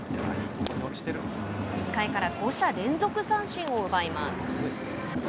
１回から５者連続三振を奪います。